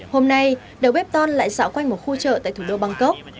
hôm nay đầu bếp ton lại dạo quanh một khu chợ tại thủ đô bangkok